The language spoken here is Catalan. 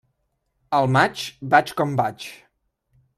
Al maig, vaig com vaig.